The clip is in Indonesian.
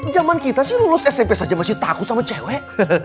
zaman kita sih lulus smp saja masih takut sama cewek